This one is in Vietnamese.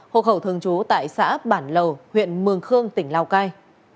hồ khẩu thường chú tại xã bản lầu huyện mường khương tỉnh lào cai